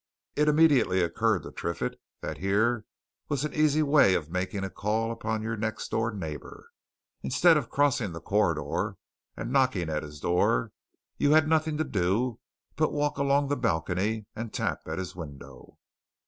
It immediately occurred to Triffitt that here was an easy way of making a call upon your next door neighbour; instead of crossing the corridor and knocking at his door, you had nothing to do but walk along the balcony and tap at his window.